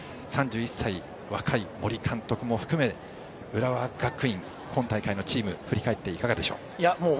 ３１歳、若い森監督も含めて浦和学院、今大会のチーム振り返っていかがでしょう。